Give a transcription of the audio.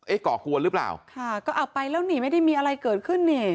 ก่อกวนหรือเปล่าค่ะก็เอาไปแล้วนี่ไม่ได้มีอะไรเกิดขึ้นนี่